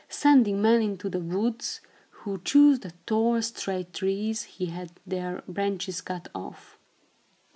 Sending men into the woods, who chose the tall, straight trees, he had their branches cut off.